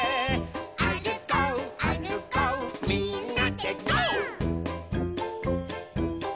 「あるこうあるこうみんなでゴー！」